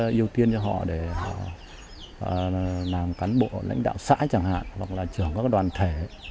chúng tôi sẽ ưu tiên cho họ để làm cán bộ lãnh đạo xã chẳng hạn hoặc là trưởng các đoàn thể